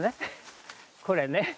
これね